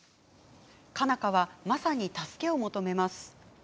佳奈花はマサに助けを求めます。